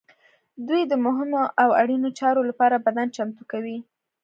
دوی د مهمو او اړینو چارو لپاره بدن چمتو کوي.